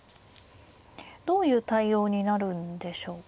どういう対応になるんでしょうか。